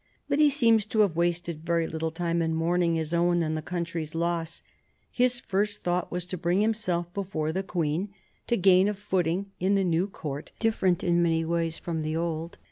But he seems to have wasted very little time in mourning his own and the country's loss. His first thought was to bring himself before the Queen, to gain a footing in the new Court, different in many ways from the old.